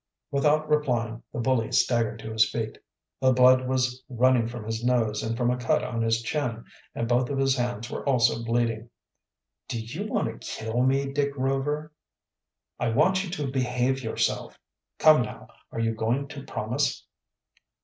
Without replying, the bully staggered to his feet. The blood was running from his nose and from a cut on his chin, and both of his hands were also bleeding. "Do you want to kill me, Dick Rover?" "I want you to behave yourself. Come, now, are you going to promise?"